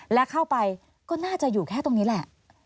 และเข้าไปก็น่าจะอยู่แค่ตรงนี้แหละ